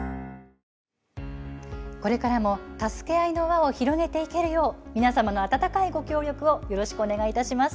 これからもたすけあいの輪を広げていけるよう皆様の温かいご協力をよろしくお願いいたします。